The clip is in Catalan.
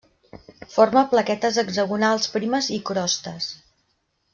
Forma plaquetes hexagonals primes i crostes.